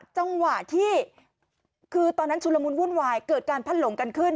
จังหวะที่คือตอนนั้นชุลมุนวุ่นวายเกิดการพัดหลงกันขึ้น